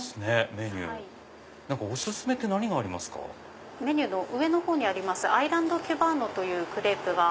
メニューの上のほうにありますアイランドキュバーノというクレープが。